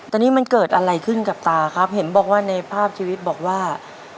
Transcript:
ตอนนี้มันเกิดอะไรขึ้นกับตาครับเห็นบอกว่าในภาพชีวิตบอกว่า